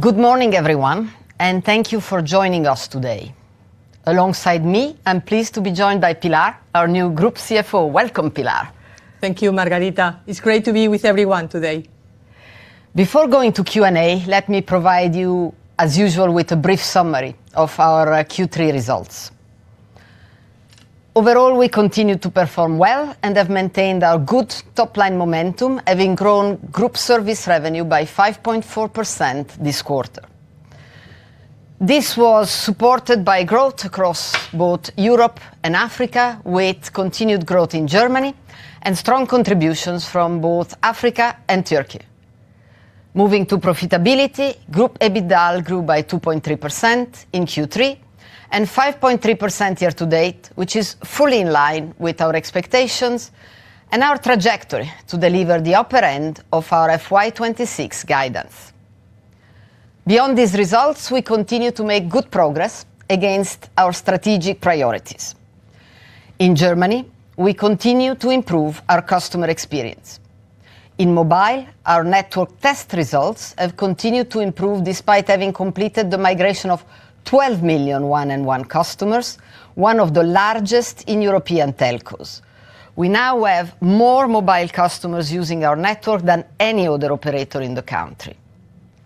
Good morning, everyone, and thank you for joining us today. Alongside me, I'm pleased to be joined by Pilar, our new Group CFO. Welcome, Pilar. Thank you, Margherita. It's great to be with everyone today. Before going to Q&A, let me provide you, as usual, with a brief summary of our Q3 results. Overall, we continue to perform well and have maintained our good top-line momentum, having grown Group service revenue by 5.4% this quarter. This was supported by growth across both Europe and Africa, with continued growth in Germany, and strong contributions from both Africa and Turkey. Moving to profitability, Group EBITDA grew by 2.3% in Q3 and 5.3% year-to-date, which is fully in line with our expectations and our trajectory to deliver the upper end of our FY 2026 guidance. Beyond these results, we continue to make good progress against our strategic priorities. In Germany, we continue to improve our customer experience. In mobile, our network test results have continued to improve despite having completed the migration of 12 million 1&1 customers, one of the largest in European telcos. We now have more mobile customers using our network than any other operator in the country.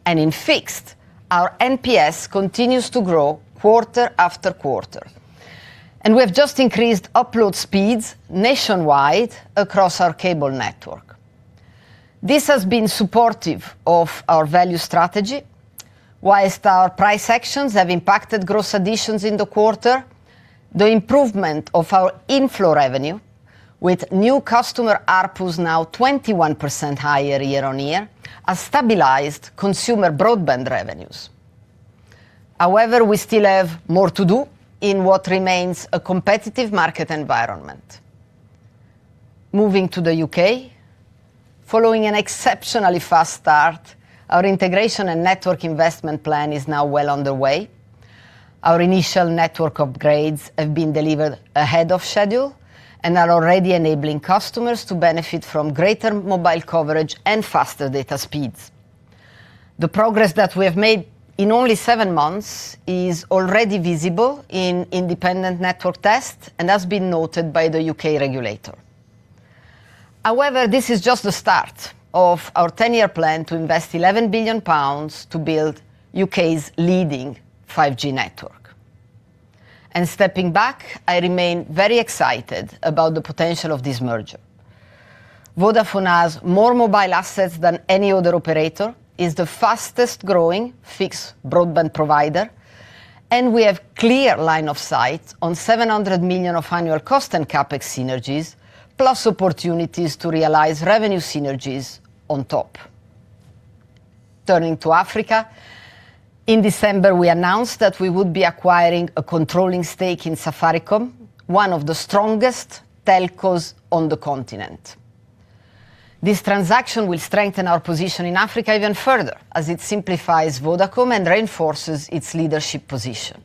In fixed, our NPS continues to grow quarter-after-quarter, and we have just increased upload speeds nationwide across our cable network. This has been supportive of our value strategy, while our price actions have impacted gross additions in the quarter. The improvement of our inflow revenue, with new customer ARPUs now 21% higher year-on-year, has stabilized consumer broadband revenues. However, we still have more to do in what remains a competitive market environment. Moving to the U.K., following an exceptionally fast start, our integration and network investment plan is now well underway. Our initial network upgrades have been delivered ahead of schedule and are already enabling customers to benefit from greater mobile coverage and faster data speeds. The progress that we have made in only seven months is already visible in independent network tests and has been noted by the U.K. regulator. However, this is just the start of our 10-year plan to invest 11 billion pounds to build U.K.'s leading 5G network. Stepping back, I remain very excited about the potential of this merger. Vodafone has more mobile assets than any other operator, is the fastest-growing fixed broadband provider, and we have clear line of sight on 700 million of annual cost and CapEx synergies, plus opportunities to realize revenue synergies on top. Turning to Africa, in December we announced that we would be acquiring a controlling stake in Safaricom, one of the strongest telcos on the continent. This transaction will strengthen our position in Africa even further, as it simplifies Vodacom and reinforces its leadership position.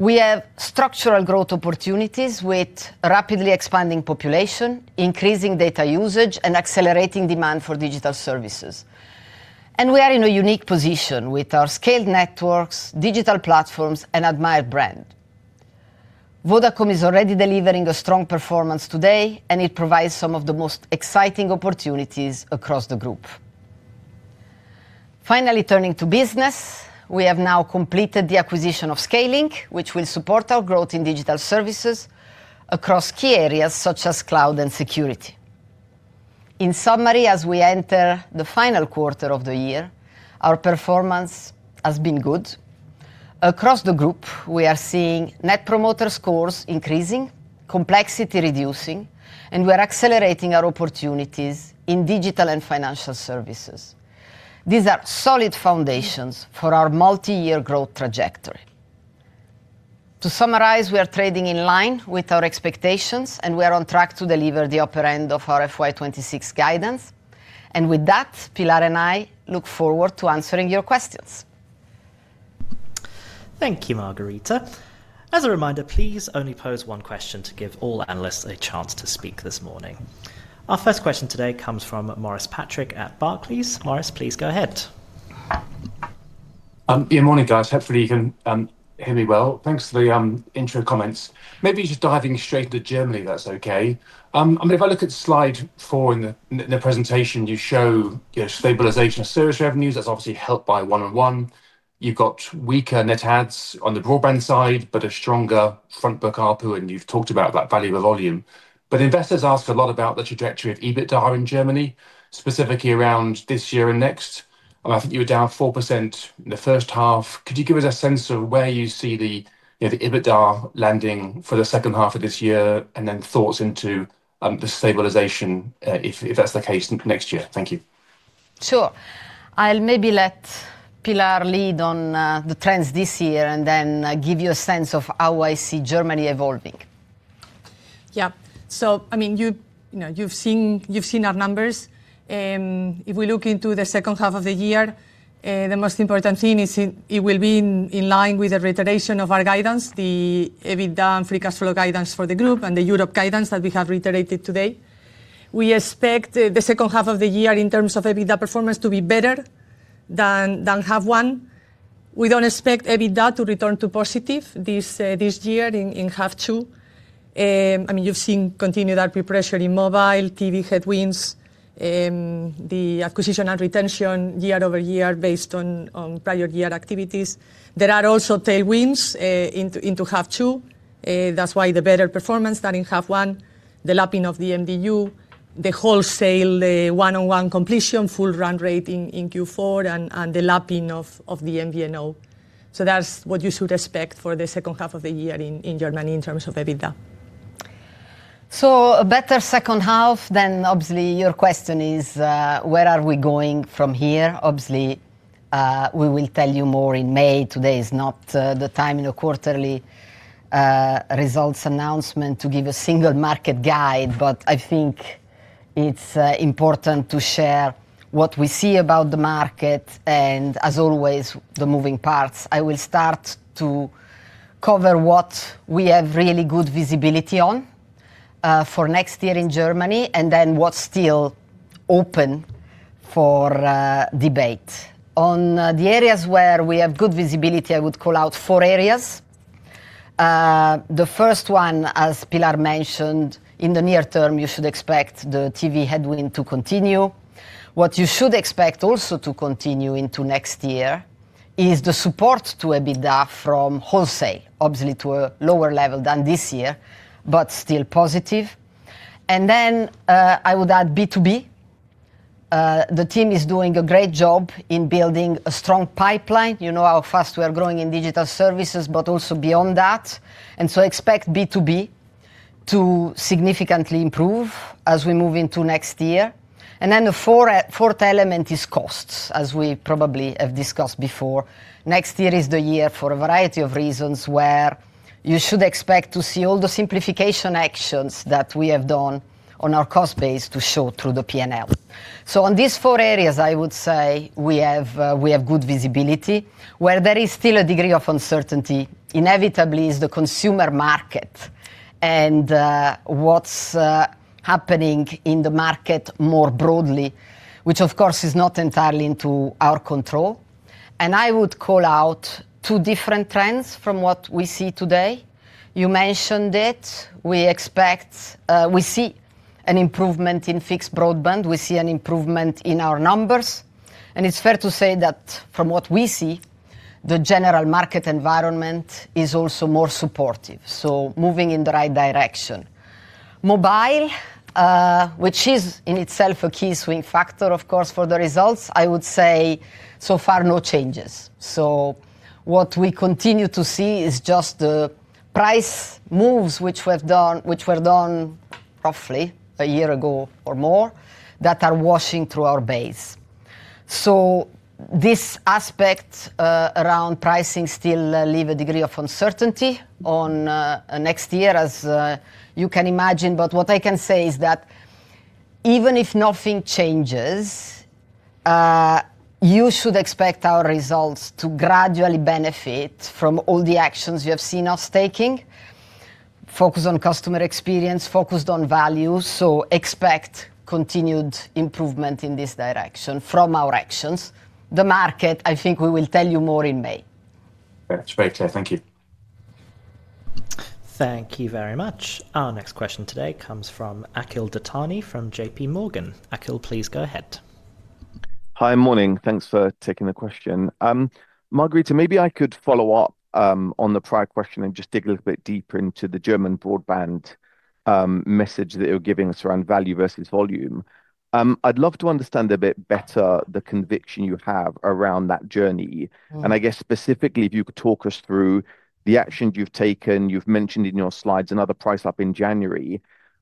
We have structural growth opportunities with rapidly expanding population, increasing data usage, and accelerating demand for digital services. We are in a unique position with our scaled networks, digital platforms, and admired brand. Vodacom is already delivering a strong performance today, and it provides some of the most exciting opportunities across the group. Finally, turning to business, we have now completed the acquisition of Skaylink, which will support our growth in digital services across key areas such as cloud and security. In summary, as we enter the final quarter of the year, our performance has been good. Across the group, we are seeing Net Promoter Scores increasing, complexity reducing, and we are accelerating our opportunities in digital and financial services. These are solid foundations for our multi-year growth trajectory. To summarize, we are trading in line with our expectations, and we are on track to deliver the upper end of our FY 2026 guidance. With that, Pilar and I look forward to answering your questions. Thank you, Margherita. As a reminder, please only pose one question to give all analysts a chance to speak this morning. Our first question today comes from Maurice Patrick at Barclays. Maurice, please go ahead. Good morning, guys. Hopefully you can hear me well. Thanks for the intro comments. Maybe just diving straight into Germany, that's okay. I mean, if I look at slide four in the presentation, you show stabilization of service revenues. That's obviously helped by 1&1. You've got weaker net adds on the broadband side, but a stronger front-book ARPU, and you've talked about that value of volume. But investors asked a lot about the trajectory of EBITDA in Germany, specifically around this year and next. I think you were down 4% in the first half. Could you give us a sense of where you see the EBITDA landing for the second half of this year, and then thoughts into the stabilization, if that's the case, next year? Thank you. Sure. I'll maybe let Pilar lead on the trends this year and then give you a sense of how I see Germany evolving. Yeah. So, I mean, you've seen our numbers. If we look into the second half of the year, the most important thing is it will be in line with the reiteration of our guidance, the EBITDA and free cash flow guidance for the group, and the Europe guidance that we have reiterated today. We expect the second half of the year, in terms of EBITDA performance, to be better than half one. We don't expect EBITDA to return to positive this year in half two. I mean, you've seen continued ARPU pressure in mobile, TV headwinds, the acquisition and retention year-over-year based on prior year activities. There are also tailwinds into half two. That's why the better performance than in half one, the lapping of the MDU, the wholesale 1&1 completion, full run rate in Q4, and the lapping of the MVNO. So that's what you should expect for the second half of the year in Germany, in terms of EBITDA. So a better second half than, obviously, your question is, where are we going from here? Obviously, we will tell you more in May. Today is not the time in a quarterly results announcement to give a single market guide, but I think it's important to share what we see about the market and, as always, the moving parts. I will start to cover what we have really good visibility on for next year in Germany, and then what's still open for debate. On the areas where we have good visibility, I would call out four areas. The first one, as Pilar mentioned, in the near term, you should expect the TV headwind to continue. What you should expect also to continue into next year is the support to EBITDA from wholesale, obviously to a lower level than this year, but still positive and then I would add B2B. The team is doing a great job in building a strong pipeline. You know how fast we are growing in digital services, but also beyond that. And so expect B2B to significantly improve as we move into next year. And then the fourth element is costs, as we probably have discussed before. Next year is the year, for a variety of reasons, where you should expect to see all the simplification actions that we have done on our cost base to show through the P&L. So on these four areas, I would say we have good visibility. Where there is still a degree of uncertainty, inevitably, is the consumer market and what's happening in the market more broadly, which, of course, is not entirely into our control. And I would call out two different trends from what we see today. You mentioned it. We see an improvement in fixed broadband. We see an improvement in our numbers. It's fair to say that, from what we see, the general market environment is also more supportive, so moving in the right direction. Mobile, which is in itself a key swing factor, of course, for the results, I would say so far no changes. What we continue to see is just the price moves, which were done roughly a year ago or more, that are washing through our base. This aspect around pricing still leaves a degree of uncertainty on next year, as you can imagine. What I can say is that even if nothing changes, you should expect our results to gradually benefit from all the actions you have seen us taking, focused on customer experience, focused on value. Expect continued improvement in this direction from our actions. The market, I think we will tell you more in May. That's very clear. Thank you. Thank you very much. Our next question today comes from Akhil Dattani from JPMorgan. Akhil, please go ahead. Hi, good morning. Thanks for taking the question. Margherita, maybe I could follow up on the prior question and just dig a little bit deeper into the German broadband message that you're giving us around value versus volume. I'd love to understand a bit better the conviction you have around that journey. And I guess, specifically, if you could talk us through the actions you've taken. You've mentioned in your slides another price up in January,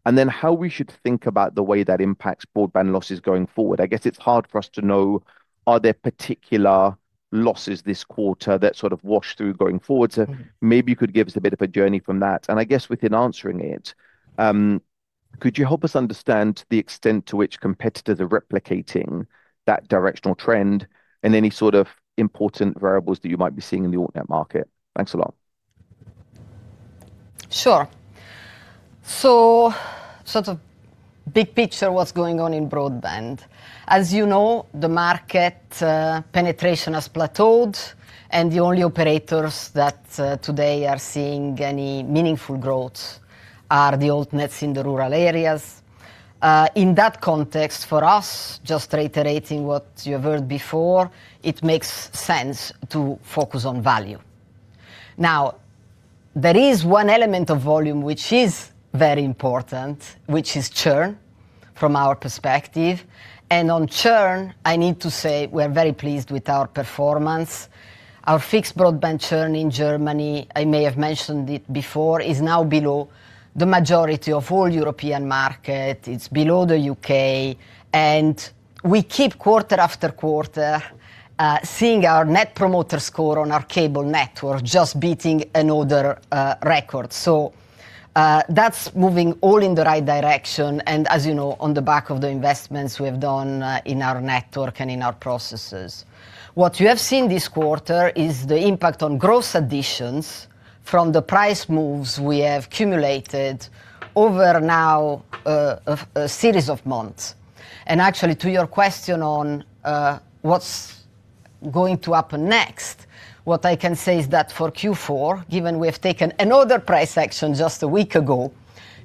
and then how we should think about the way that impacts broadband losses going forward. I guess it's hard for us to know, are there particular losses this quarter that sort of wash through going forward? So maybe you could give us a bit of a journey from that. I guess within answering it, could you help us understand the extent to which competitors are replicating that directional trend and any sort of important variables that you might be seeing in the Altnet market? Thanks a lot. Sure. So sort of big picture, what's going on in broadband? As you know, the market penetration has plateaued, and the only operators that today are seeing any meaningful growth are the Altnets in the rural areas. In that context, for us, just reiterating what you have heard before, it makes sense to focus on value. Now, there is one element of volume which is very important, which is churn from our perspective. And on churn, I need to say we are very pleased with our performance. Our fixed broadband churn in Germany, I may have mentioned it before, is now below the majority of all European markets. It's below the U.K. And we keep, quarter-after-quarter, seeing our Net Promoter Score on our cable network just beating another record. So that's moving all in the right direction. As you know, on the back of the investments we have done in our network and in our processes. What you have seen this quarter is the impact on gross additions from the price moves we have cumulated over now a series of months. And actually, to your question on what's going to happen next, what I can say is that for Q4, given we have taken another price action just a week ago,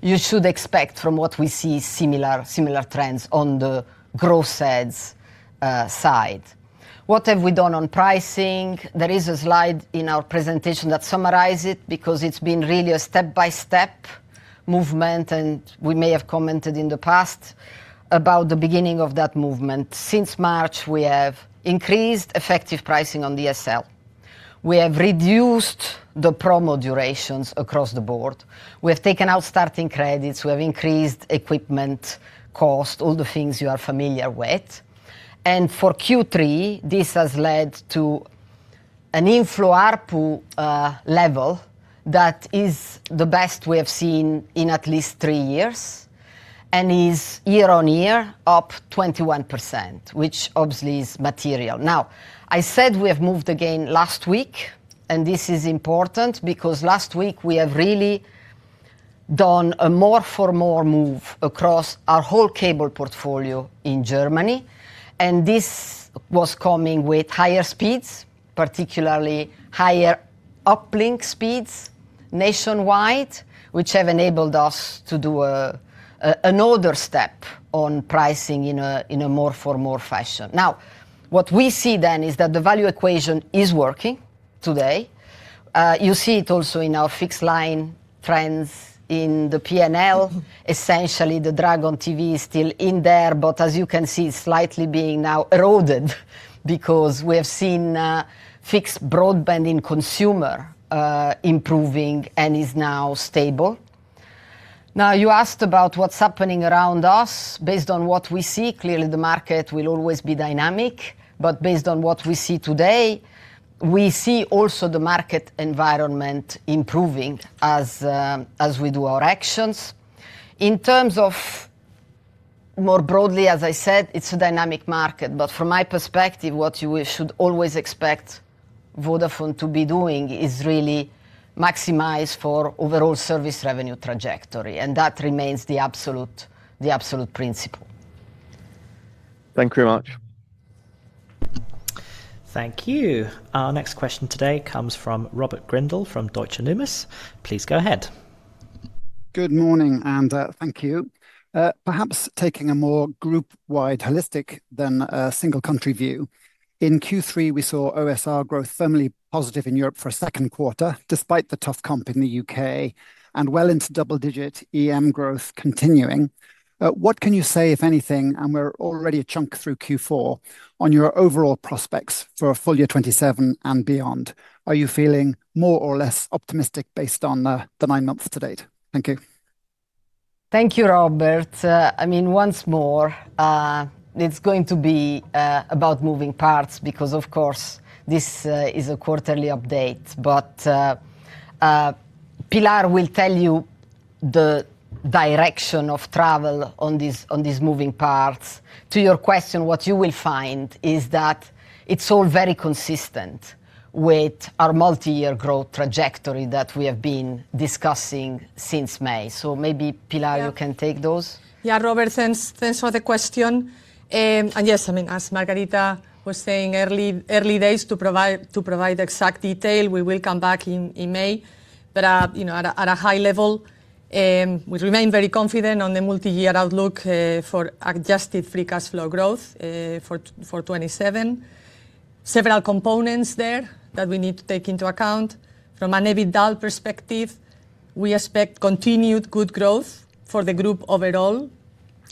you should expect, from what we see, similar trends on the gross adds side. What have we done on pricing? There is a slide in our presentation that summarizes it because it's been really a step-by-step movement. And we may have commented in the past about the beginning of that movement. Since March, we have increased effective pricing on DSL. We have reduced the promo durations across the board. We have taken out starting credits. We have increased equipment cost, all the things you are familiar with. For Q3, this has led to an inflow ARPU level that is the best we have seen in at least three years and is, year-over-year, up 21%, which obviously is material. Now, I said we have moved again last week, and this is important because last week we have really done a more-for-more move across our whole cable portfolio in Germany. And this was coming with higher speeds, particularly higher uplink speeds nationwide, which have enabled us to do another step on pricing in a more-for-more fashion. Now, what we see then is that the value equation is working today. You see it also in our fixed line trends in the P&L. Essentially, the drag on TV is still in there, but as you can see, it's slightly being now eroded because we have seen fixed broadband in consumer improving and is now stable. Now, you asked about what's happening around us. Based on what we see, clearly, the market will always be dynamic. But based on what we see today, we see also the market environment improving as we do our actions. In terms of more broadly, as I said, it's a dynamic market. But from my perspective, what you should always expect Vodafone to be doing is really maximize for overall service revenue trajectory. And that remains the absolute principle. Thank you very much. Thank you. Our next question today comes from Robert Grindle from Deutsche Numis. Please go ahead. Good morning, and thank you. Perhaps taking a more group-wide, holistic than a single country view, in Q3, we saw OSR growth firmly positive in Europe for a second quarter, despite the tough comp in the U.K., and well into double-digit EM growth continuing. What can you say, if anything, and we're already a chunk through Q4, on your overall prospects for a full year 2027 and beyond? Are you feeling more or less optimistic based on the nine months to date? Thank you. Thank you, Robert. I mean, once more, it's going to be about moving parts because, of course, this is a quarterly update. But Pilar will tell you the direction of travel on these moving parts. To your question, what you will find is that it's all very consistent with our multi-year growth trajectory that we have been discussing since May. So maybe, Pilar, you can take those. Yeah, Robert, thanks for the question. And yes, I mean, as Margherita was saying, early days to provide the exact detail. We will come back in May. But at a high level, we remain very confident on the multi-year outlook for adjusted free cash flow growth for 2027. Several components there that we need to take into account. From an EBITDA perspective, we expect continued good growth for the group overall.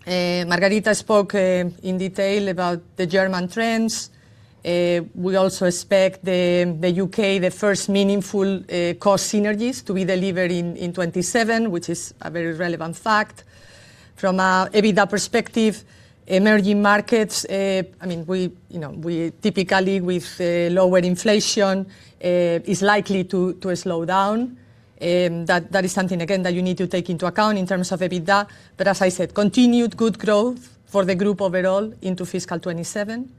Margherita spoke in detail about the German trends. We also expect the U.K., the first meaningful cost synergies to be delivered in 2027, which is a very relevant fact. From an EBITDA perspective, emerging markets, I mean, typically, with lower inflation, are likely to slow down. That is something, again, that you need to take into account in terms of EBITDA. But as I said, continued good growth for the group overall into fiscal 2027.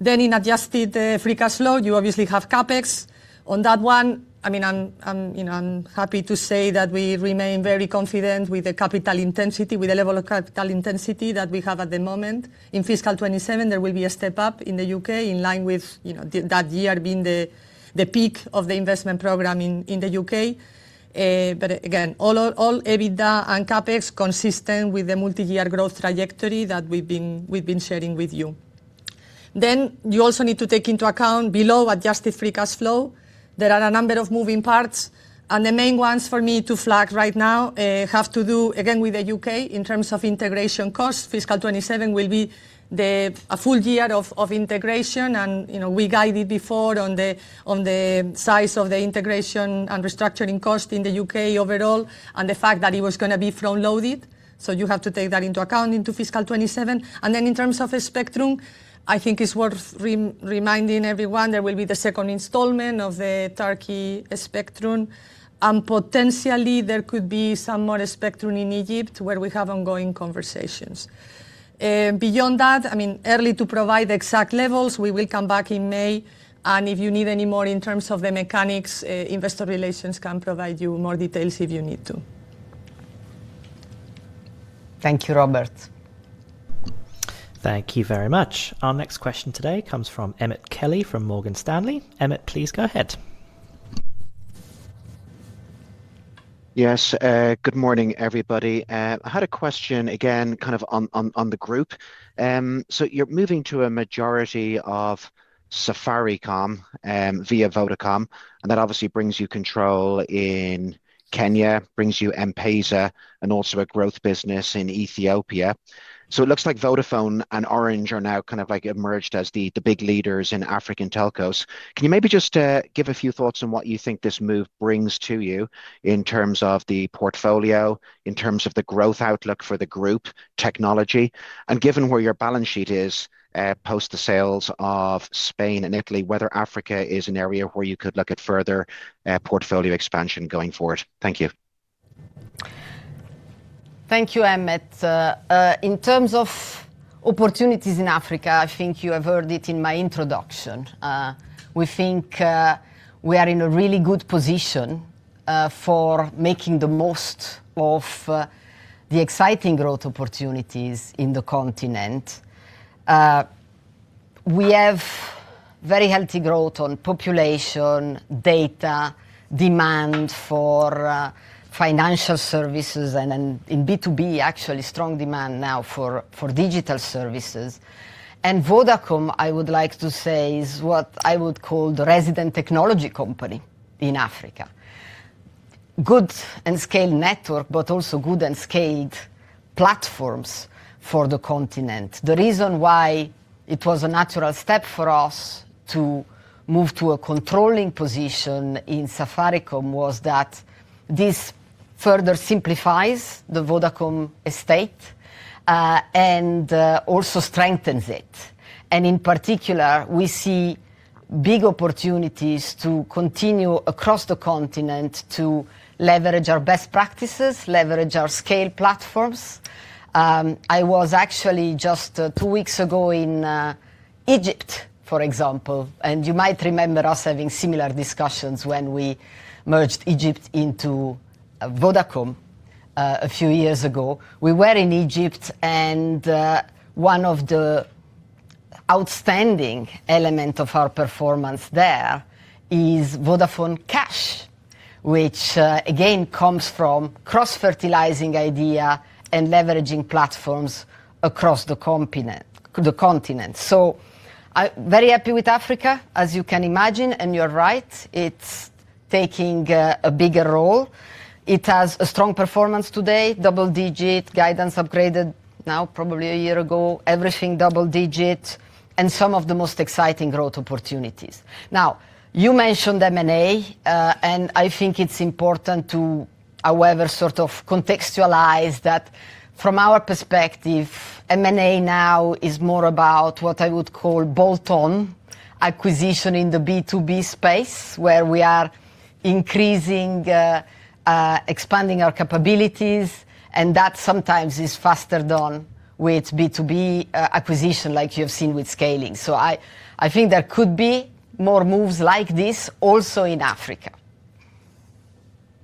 Then in adjusted free cash flow, you obviously have CapEx. On that one, I mean, I'm happy to say that we remain very confident with the capital intensity, with the level of capital intensity that we have at the moment. In fiscal 2027, there will be a step up in the U.K. in line with that year being the peak of the investment program in the U.K. But again, all EBITDA and CapEx consistent with the multi-year growth trajectory that we've been sharing with you. Then you also need to take into account, below adjusted free cash flow, there are a number of moving parts. And the main ones for me to flag right now have to do, again, with the U.K. in terms of integration costs. Fiscal 2027 will be a full year of integration. We guided before on the size of the integration and restructuring cost in the U.K. overall and the fact that it was going to be front-loaded. So you have to take that into account into fiscal 2027. And then in terms of spectrum, I think it's worth reminding everyone, there will be the second installment of the Turkey spectrum. And potentially, there could be some more spectrum in Egypt, where we have ongoing conversations. Beyond that, I mean, early to provide the exact levels. We will come back in May. And if you need any more in terms of the mechanics, investor relations can provide you more details if you need to. Thank you, Robert. Thank you very much. Our next question today comes from Emmett Kelly from Morgan Stanley. Emmett, please go ahead. Yes. Good morning, everybody. I had a question, again, kind of on the group. So you're moving to a majority of Safaricom via Vodacom. And that obviously brings you control in Kenya, brings you M-Pesa and also a growth business in Ethiopia. So it looks like Vodafone and Orange are now kind of emerged as the big leaders in African telcos. Can you maybe just give a few thoughts on what you think this move brings to you in terms of the portfolio, in terms of the growth outlook for the group, technology? And given where your balance sheet is post the sales of Spain and Italy, whether Africa is an area where you could look at further portfolio expansion going forward? Thank you. Thank you, Emmett. In terms of opportunities in Africa, I think you have heard it in my introduction. We think we are in a really good position for making the most of the exciting growth opportunities in the continent. We have very healthy growth on population, data, demand for financial services, and in B2B, actually, strong demand now for digital services. And Vodacom, I would like to say, is what I would call the resident technology company in Africa, good and scaled network, but also good and scaled platforms for the continent. The reason why it was a natural step for us to move to a controlling position in Safaricom was that this further simplifies the Vodacom estate and also strengthens it. And in particular, we see big opportunities to continue across the continent to leverage our best practices, leverage our scale platforms. I was actually just two weeks ago in Egypt, for example. And you might remember us having similar discussions when we merged Egypt into Vodacom a few years ago. We were in Egypt. And one of the outstanding elements of our performance there is Vodafone Cash, which, again, comes from cross-fertilizing idea and leveraging platforms across the continent. So I'm very happy with Africa. As you can imagine and you're right, it's taking a bigger role. It has a strong performance today, double-digit, guidance upgraded now probably a year ago, everything double-digit, and some of the most exciting growth opportunities. Now, you mentioned M&A. And I think it's important to, however, sort of contextualize that from our perspective, M&A now is more about what I would call bolt-on acquisition in the B2B space, where we are increasing, expanding our capabilities. That sometimes is faster done with B2B acquisition, like you have seen with Skaylink. I think there could be more moves like this also in Africa.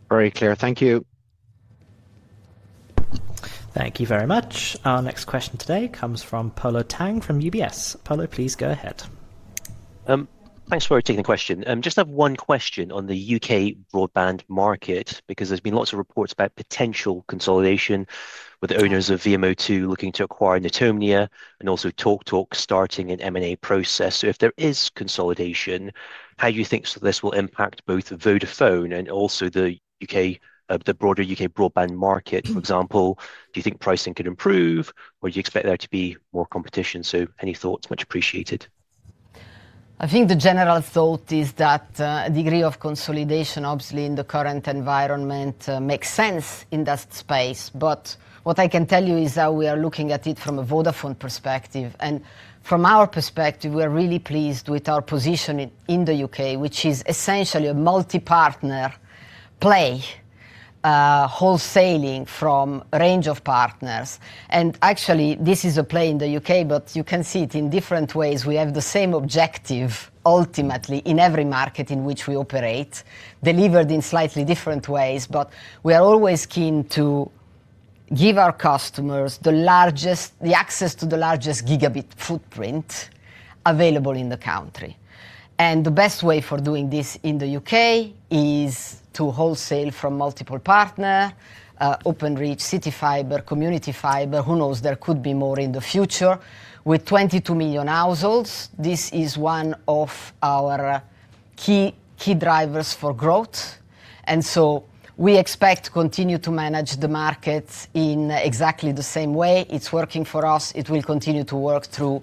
Very clear. Thank you. Thank you very much. Our next question today comes from Polo Tang from UBS. Polo, please go ahead. Thanks for taking the question. Just have one question on the U.K. broadband market because there's been lots of reports about potential consolidation with owners of VMO2 looking to acquire Netomnia and also TalkTalk starting an M&A process. So if there is consolidation, how do you think this will impact both Vodafone and also the broader UK broadband market, for example? Do you think pricing could improve, or do you expect there to be more competition? So any thoughts? Much appreciated. I think the general thought is that a degree of consolidation, obviously, in the current environment makes sense in that space. But what I can tell you is that we are looking at it from a Vodafone perspective. And from our perspective, we are really pleased with our position in the U.K., which is essentially a multi-partner play, wholesaling from a range of partners. And actually, this is a play in the U.K. But you can see it in different ways. We have the same objective, ultimately, in every market in which we operate, delivered in slightly different ways. But we are always keen to give our customers the access to the largest gigabit footprint available in the country. And the best way for doing this in the U.K. is to wholesale from multiple partners, Openreach, CityFibre, Community Fibre. Who knows? There could be more in the future. With 22 million households, this is one of our key drivers for growth. So we expect to continue to manage the markets in exactly the same way. It's working for us. It will continue to work through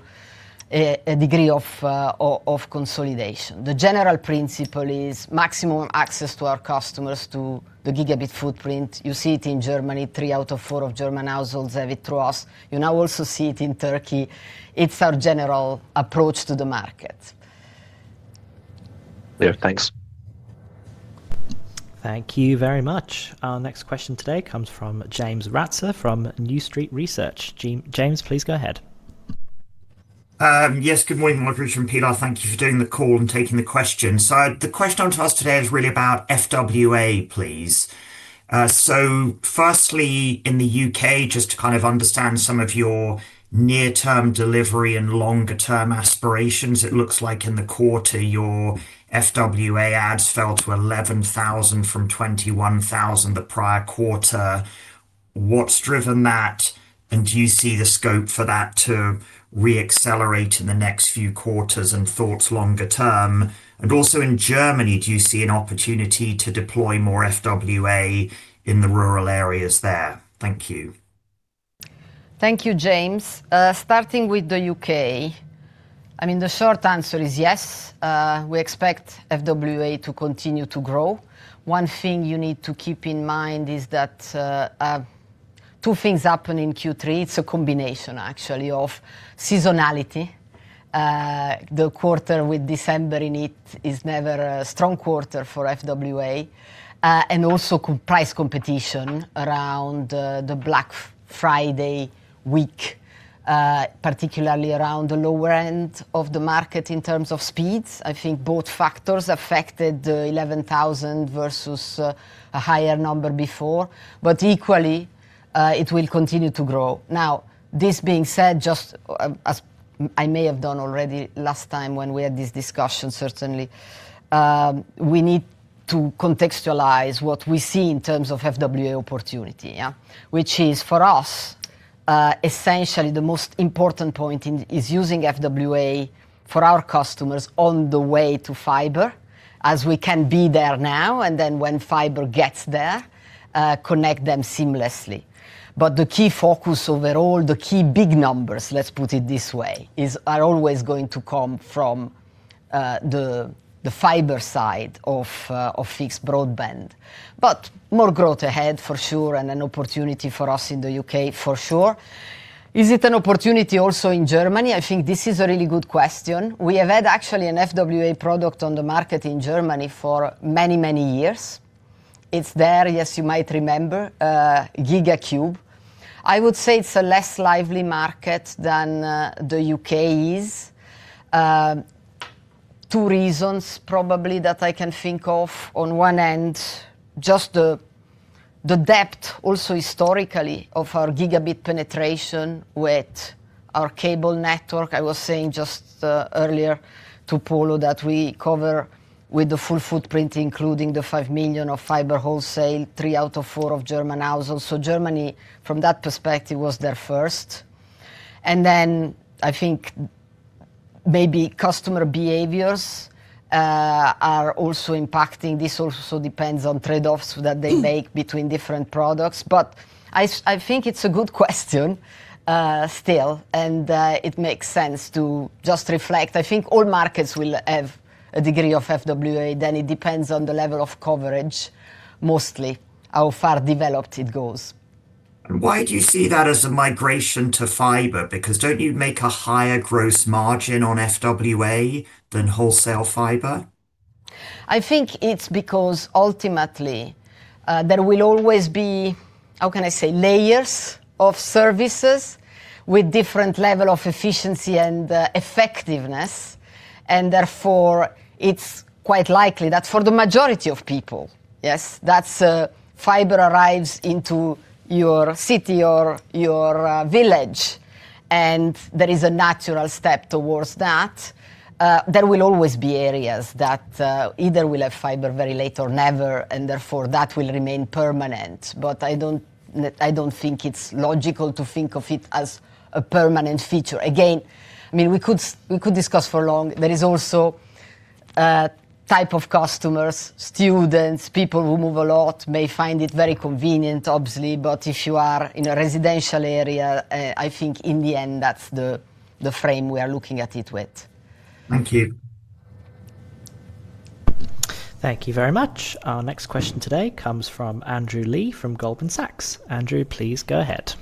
a degree of consolidation. The general principle is maximum access to our customers to the gigabit footprint. You see it in Germany. Three out of four of German households have it through us. You now also see it in Turkey. It's our general approach to the market. Thanks. Thank you very much. Our next question today comes from James Ratzer from New Street Research. James, please go ahead. Yes. Good morning, Margherita and Pilar. Thank you for doing the call and taking the question. So the question I want to ask today is really about FWA, please. So firstly, in the U.K., just to kind of understand some of your near-term delivery and longer-term aspirations, it looks like in the quarter, your FWA adds fell to 11,000 from 21,000 the prior quarter. What's driven that? And do you see the scope for that to reaccelerate in the next few quarters and thoughts longer term? And also in Germany, do you see an opportunity to deploy more FWA in the rural areas there? Thank you. Thank you, James. Starting with the U.K., I mean, the short answer is yes. We expect FWA to continue to grow. One thing you need to keep in mind is that two things happen in Q3. It's a combination, actually, of seasonality. The quarter with December in it is never a strong quarter for FWA and also price competition around the Black Friday week, particularly around the lower end of the market in terms of speeds. I think both factors affected the 11,000 versus a higher number before. But equally, it will continue to grow. Now, this being said, just as I may have done already last time when we had this discussion, certainly, we need to contextualize what we see in terms of FWA opportunity, which is, for us, essentially, the most important point is using FWA for our customers on the way to fiber, as we can be there now. And then when fiber gets there, connect them seamlessly. But the key focus overall, the key big numbers, let's put it this way, are always going to come from the fiber side of fixed broadband. But more growth ahead, for sure, and an opportunity for us in the U.K., for sure. Is it an opportunity also in Germany? I think this is a really good question. We have had, actually, an FWA product on the market in Germany for many, many years. It's there, yes, you might remember, GigaCube. I would say it's a less lively market than the U.K. is. Two reasons, probably, that I can think of. On one end, just the depth, also historically, of our gigabit penetration with our cable network. I was saying just earlier to Polo that we cover with the full footprint, including the 5 million of fiber wholesale, three out of four German households. So Germany, from that perspective, was there first. And then I think maybe customer behaviors are also impacting. This also depends on trade-offs that they make between different products. But I think it's a good question still. And it makes sense to just reflect. I think all markets will have a degree of FWA. Then it depends on the level of coverage, mostly, how far developed it goes. Why do you see that as a migration to fiber? Because don't you make a higher gross margin on FWA than wholesale fiber? I think it's because, ultimately, there will always be, how can I say, layers of services with different levels of efficiency and effectiveness. And therefore, it's quite likely that for the majority of people, yes, that's fiber arrives into your city or your village. And there is a natural step towards that. There will always be areas that either will have fiber very late or never and therefore, that will remain permanent. But I don't think it's logical to think of it as a permanent feature. Again, I mean, we could discuss for long. There is also a type of customers, students, people who move a lot may find it very convenient, obviously. But if you are in a residential area, I think in the end, that's the frame we are looking at it with. Thank you. Thank you very much. Our next question today comes from Andrew Lee from Goldman Sachs. Andrew, please go ahead.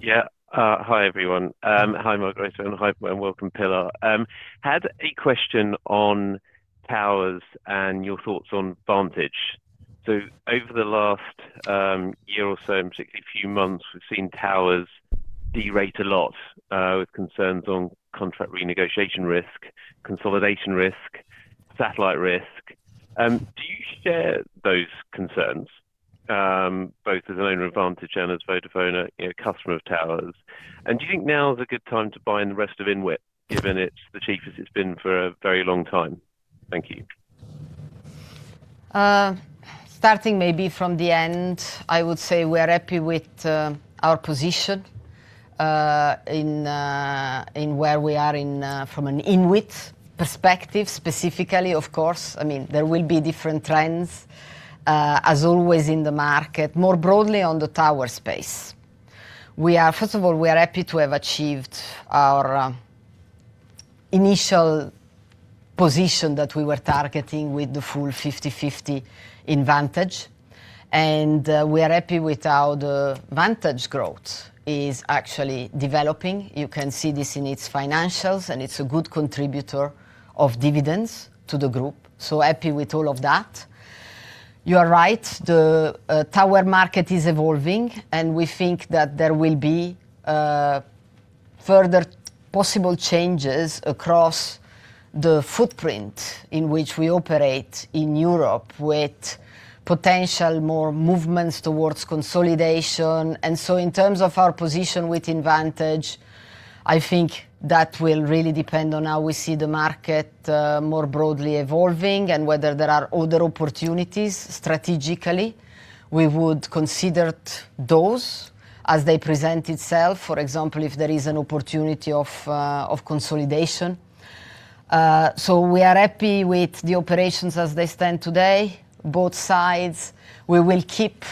Yeah. Hi, everyone. Hi, Margherita. And hi, and welcome, Pilar. I had a question on towers and your thoughts on Vantage. So over the last year or so, and particularly a few months, we've seen towers derate a lot with concerns on contract renegotiation risk, consolidation risk, satellite risk. Do you share those concerns, both as an owner of Vantage and as Vodafone a customer of towers? And do you think now is a good time to buy in the rest of INWIT, given it's the cheapest it's been for a very long time? Thank you. Starting maybe from the end, I would say we are happy with our position in where we are from an INWIT perspective, specifically, of course. I mean, there will be different trends, as always, in the market, more broadly on the tower space. First of all, we are happy to have achieved our initial position that we were targeting with the full 50/50 in Vantage. And we are happy with how the Vantage growth is actually developing. You can see this in its financials. And it's a good contributor of dividends to the group. So happy with all of that. You are right. The tower market is evolving. And we think that there will be further possible changes across the footprint in which we operate in Europe with potential more movements towards consolidation. And so in terms of our position within Vantage, I think that will really depend on how we see the market more broadly evolving and whether there are other opportunities strategically. We would consider those as they present themselves, for example, if there is an opportunity of consolidation. We are happy with the operations as they stand today, both sides. We will keep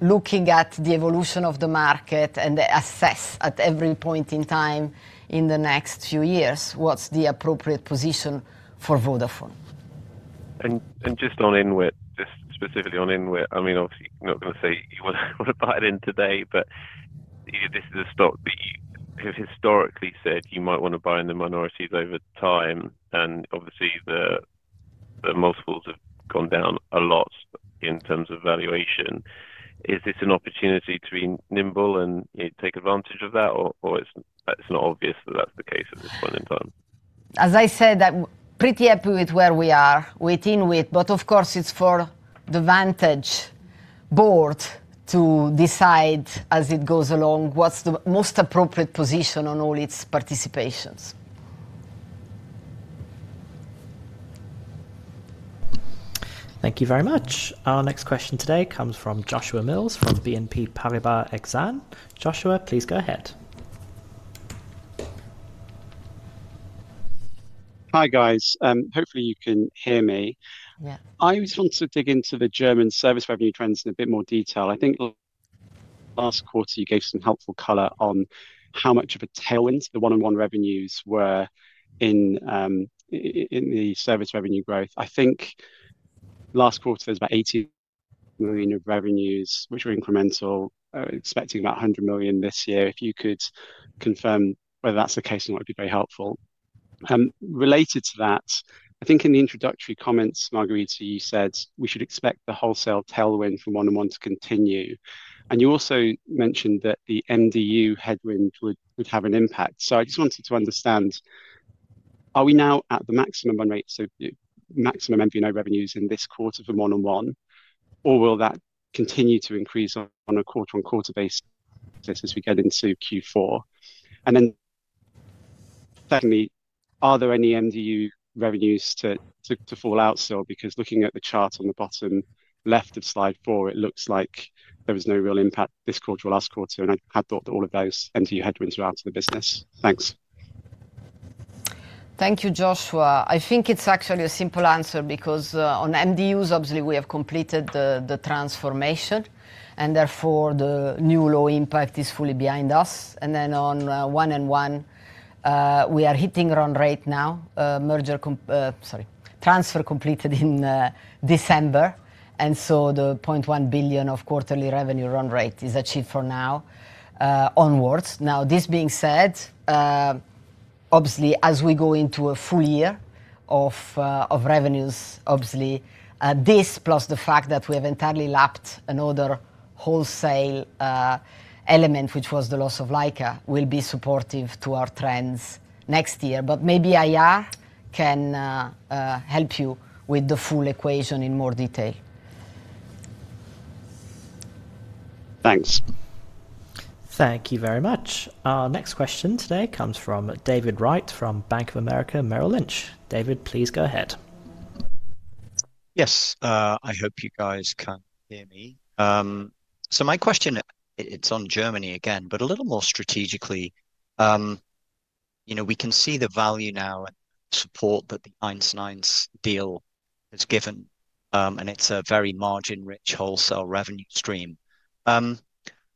looking at the evolution of the market and assess at every point in time in the next few years what's the appropriate position for Vodafone. Just on INWIT, just specifically on INWIT, I mean, obviously, you're not going to say you want to buy it in today. This is a stock that you have historically said you might want to buy in the minorities over time. Obviously, the multiples have gone down a lot in terms of valuation. Is this an opportunity to be nimble and take advantage of that? Or it's not obvious that that's the case at this point in time? As I said, I'm pretty happy with where we are with INWIT. But of course, it's for the Vantage board to decide as it goes along what's the most appropriate position on all its participations. Thank you very much. Our next question today comes from Joshua Mills from BNP Paribas Exane. Joshua, please go ahead. Hi, guys. Hopefully, you can hear me. I just want to dig into the German service revenue trends in a bit more detail. I think last quarter, you gave some helpful color on how much of a tailwind the 1&1 revenues were in the service revenue growth. I think last quarter, there's about 80 million of revenues, which were incremental, expecting about 100 million this year. If you could confirm whether that's the case, that would be very helpful. Related to that, I think in the introductory comments, Margherita, you said we should expect the wholesale tailwind from 1&1 to continue. You also mentioned that the MDU headwind would have an impact. I just wanted to understand, are we now at the maximum MVNO revenues in this quarter for 1&1? Or will that continue to increase on a quarter-on-quarter basis as we get into Q4? Thirdly, are there any MDU revenues to fall out still? Because looking at the chart on the bottom left of slide 4, it looks like there was no real impact this quarter or last quarter. I had thought that all of those MDU headwinds were out of the business. Thanks. Thank you, Joshua. I think it's actually a simple answer because on MDUs, obviously, we have completed the transformation. And therefore, the new low impact is fully behind us. And then on 1&1, we are hitting run rate now, sorry, transfer completed in December. And so the 0.1 billion of quarterly revenue run rate is achieved for now onwards. Now, this being said, obviously, as we go into a full year of revenues, obviously, this plus the fact that we have entirely lapped another wholesale element, which was the loss of Lyca, will be supportive to our trends next year. But maybe IR can help you with the full equation in more detail. Thanks. Thank you very much. Our next question today comes from David Wright from Bank of America Merrill Lynch. David, please go ahead. Yes. I hope you guys can hear me. So my question, it's on Germany again, but a little more strategically. We can see the value now and support that the Heinz-Neiss deal has given. And it's a very margin-rich wholesale revenue stream.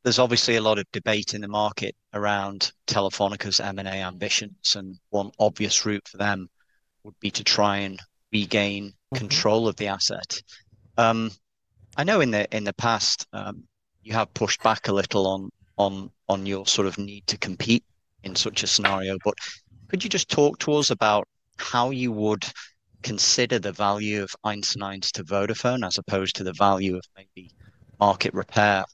There's obviously a lot of debate in the market around Telefónica's M&A ambitions. And one obvious route for them would be to try and regain control of the asset. I know in the past, you have pushed back a little on your sort of need to compete in such a scenario. But could you just talk to us about how you would consider the value of Heinz-Neiss to Vodafone as opposed to the value of maybe market repair?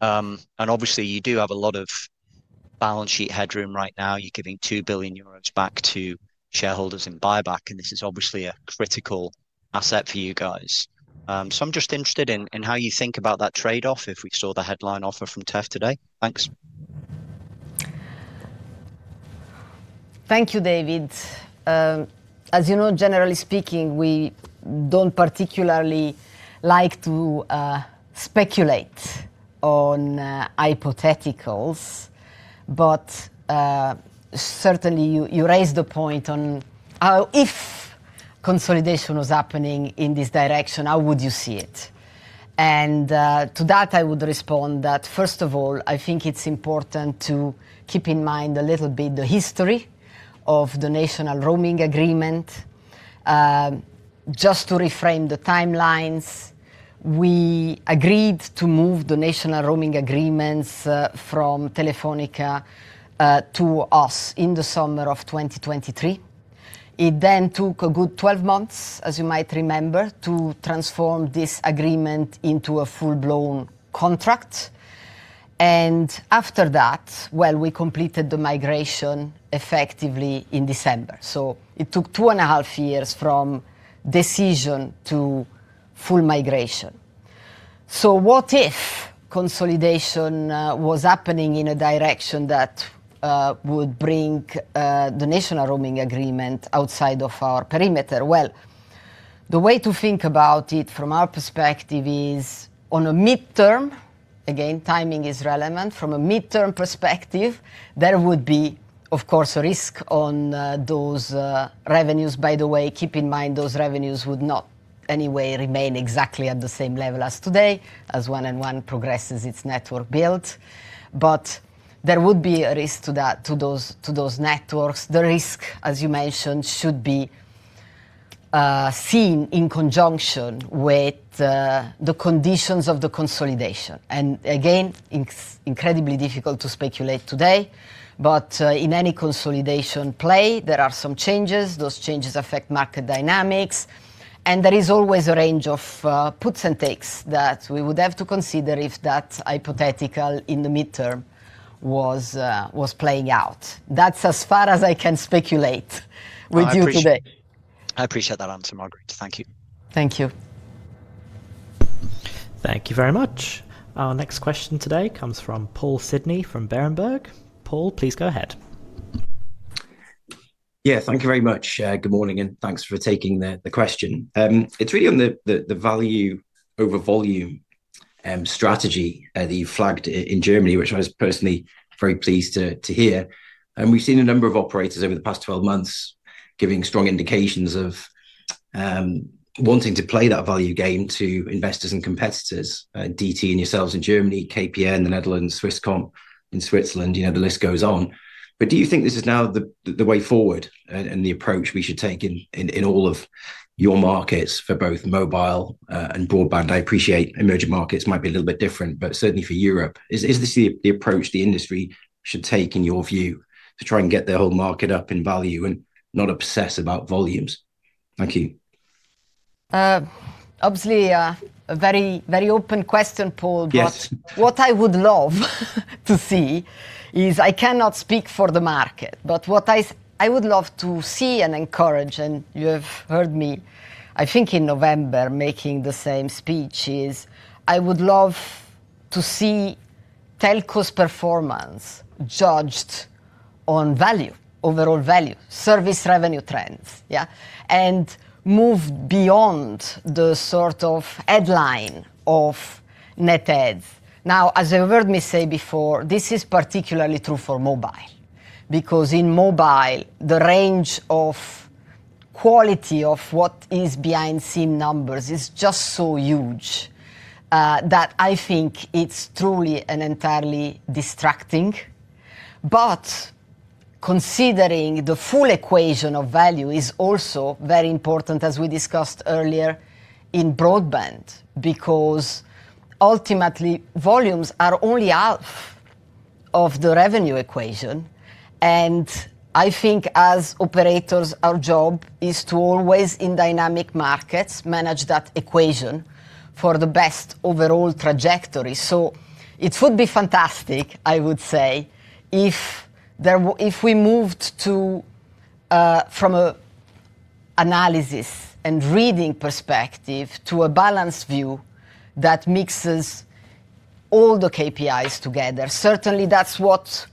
And obviously, you do have a lot of balance sheet headroom right now. You're giving 2 billion euros back to shareholders in buyback. This is obviously a critical asset for you guys. I'm just interested in how you think about that trade-off if we saw the headline offer from TEF today? Thanks. Thank you, David. As you know, generally speaking, we don't particularly like to speculate on hypotheticals. But certainly, you raised the point on if consolidation was happening in this direction, how would you see it? And to that, I would respond that, first of all, I think it's important to keep in mind a little bit the history of the National Roaming Agreement. Just to reframe the timelines, we agreed to move the National Roaming Agreements from Telefónica to us in the summer of 2023. It then took a good 12 months, as you might remember, to transform this agreement into a full-blown contract. And after that, well, we completed the migration effectively in December. So it took two and a half years from decision to full migration. So what if consolidation was happening in a direction that would bring the National Roaming Agreement outside of our perimeter? Well, the way to think about it from our perspective is on a midterm. Again, timing is relevant. From a midterm perspective, there would be, of course, a risk on those revenues. By the way, keep in mind those revenues would not anyway remain exactly at the same level as today as 1&1 progresses its network build. But there would be a risk to those networks. The risk, as you mentioned, should be seen in conjunction with the conditions of the consolidation. Again, incredibly difficult to speculate today. But in any consolidation play, there are some changes. Those changes affect market dynamics. There is always a range of puts and takes that we would have to consider if that hypothetical in the midterm was playing out. That's as far as I can speculate with you today. I appreciate that answer, Margherita. Thank you. Thank you. Thank you very much. Our next question today comes from Paul Sidney from Berenberg. Paul, please go ahead. Yeah. Thank you very much. Good morning. And thanks for taking the question. It's really on the value over volume strategy that you flagged in Germany, which I was personally very pleased to hear. And we've seen a number of operators over the past 12 months giving strong indications of wanting to play that value game to investors and competitors, DT and yourselves in Germany, KPN in the Netherlands, Swisscom in Switzerland. The list goes on. But do you think this is now the way forward and the approach we should take in all of your markets for both mobile and broadband? I appreciate emerging markets might be a little bit different, but certainly for Europe. Is this the approach the industry should take, in your view, to try and get their whole market up in value and not obsess about volumes? Thank you. Obviously, a very open question, Paul. But what I would love to see is I cannot speak for the market. But what I would love to see and encourage and you have heard me, I think, in November making the same speech is I would love to see telcos' performance judged on value, overall value, service revenue trends, yeah, and move beyond the sort of headline of net adds. Now, as I heard me say before, this is particularly true for mobile because in mobile, the range of quality of what is behind SIM numbers is just so huge that I think it's truly entirely distracting. But considering the full equation of value is also very important, as we discussed earlier, in broadband because ultimately, volumes are only half of the revenue equation. I think as operators, our job is to always, in dynamic markets, manage that equation for the best overall trajectory. So it would be fantastic, I would say, if we moved from an analysis and reading perspective to a balanced view that mixes all the KPIs together. Certainly, that's what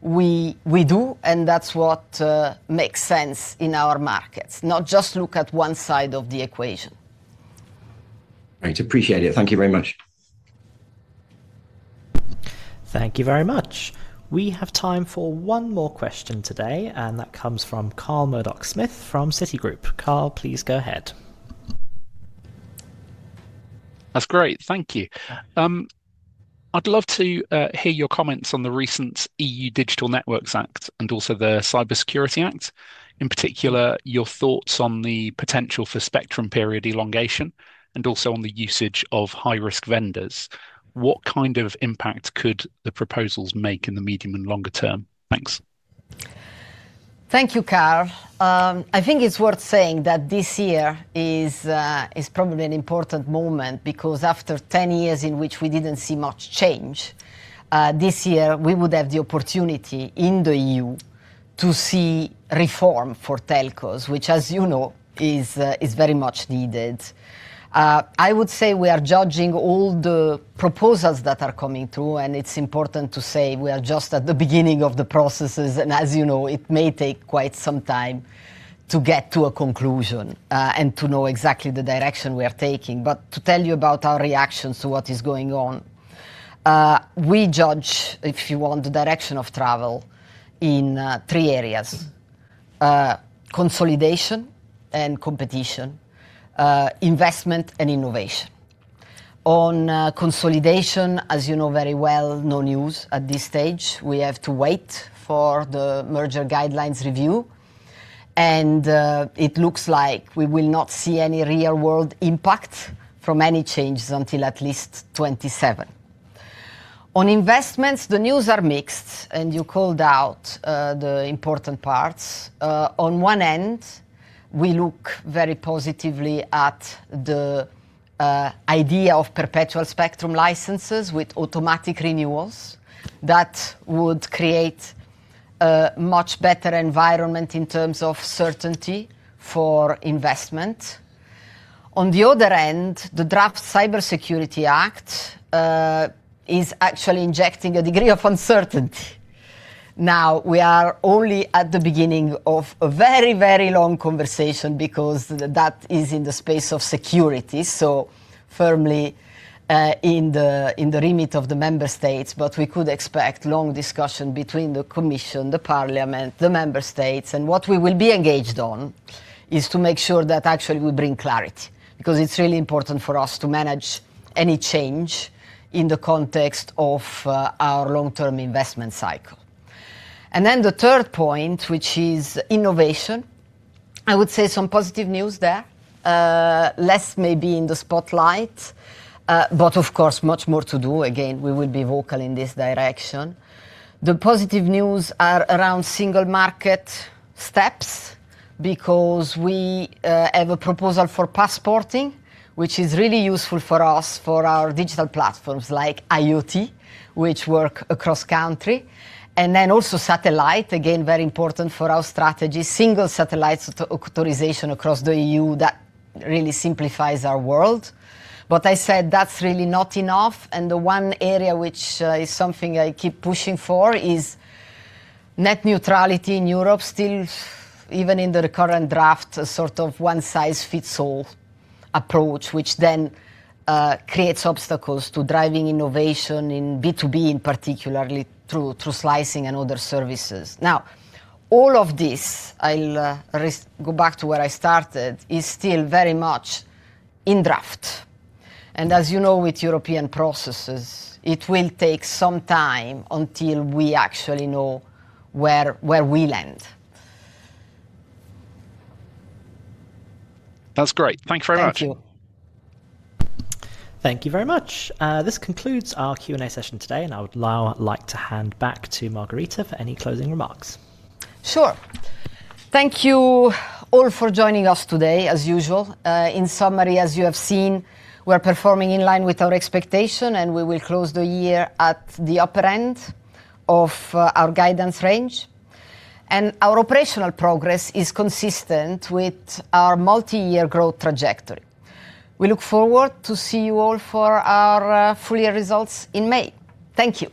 we do. And that's what makes sense in our markets, not just look at one side of the equation. Great. Appreciate it. Thank you very much. Thank you very much. We have time for one more question today. That comes from Carl Murdock-Smith from Citigroup. Carl, please go ahead. That's great. Thank you. I'd love to hear your comments on the recent EU Digital Networks Act and also the Cybersecurity Act, in particular, your thoughts on the potential for spectrum period elongation and also on the usage of high-risk vendors. What kind of impact could the proposals make in the medium and longer term? Thanks. Thank you, Carl. I think it's worth saying that this year is probably an important moment because after 10 years in which we didn't see much change, this year, we would have the opportunity in the EU to see reform for telcos, which, as you know, is very much needed. I would say we are judging all the proposals that are coming through. It's important to say we are just at the beginning of the processes. And as you know, it may take quite some time to get to a conclusion and to know exactly the direction we are taking. But to tell you about our reactions to what is going on, we judge, if you want, the direction of travel in three areas: consolidation and competition, investment and innovation. On consolidation, as you know very well, no news at this stage. We have to wait for the merger guidelines review. It looks like we will not see any real-world impact from any changes until at least 2027. On investments, the news are mixed. You called out the important parts. On one end, we look very positively at the idea of perpetual spectrum licenses with automatic renewals that would create a much better environment in terms of certainty for investment. On the other end, the draft Cybersecurity Act is actually injecting a degree of uncertainty. Now, we are only at the beginning of a very, very long conversation because that is in the space of security, so firmly in the limit of the member states. We could expect long discussion between the Commission, the Parliament, the member states. And what we will be engaged on is to make sure that, actually, we bring clarity because it's really important for us to manage any change in the context of our long-term investment cycle. And then the third point, which is innovation, I would say some positive news there, less maybe in the spotlight. But of course, much more to do. Again, we will be vocal in this direction. The positive news are around single-market steps because we have a proposal for passporting, which is really useful for us for our digital platforms like IoT, which work across country, and then also satellite, again, very important for our strategy, single satellite authorization across the EU that really simplifies our world. But I said that's really not enough. The one area which is something I keep pushing for is net neutrality in Europe, still even in the current draft, a sort of one-size-fits-all approach, which then creates obstacles to driving innovation in B2B, in particular, through slicing and other services. Now, all of this I'll go back to where I started is still very much in draft. As you know, with European processes, it will take some time until we actually know where we land. That's great. Thank you very much. Thank you. Thank you very much. This concludes our Q&A session today. I would now like to hand back to Margherita for any closing remarks. Sure. Thank you all for joining us today, as usual. In summary, as you have seen, we are performing in line with our expectation. We will close the year at the upper end of our guidance range. Our operational progress is consistent with our multi-year growth trajectory. We look forward to seeing you all for our full-year results in May. Thank you.